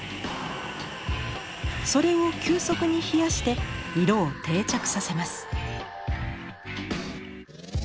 それを急速に冷やして色を定着させます。